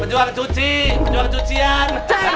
berjuang cuci berjuang cucian